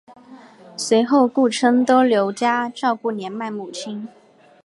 随后顾琛都留家照顾年迈母亲。